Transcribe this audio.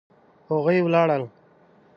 هغوی ولاړل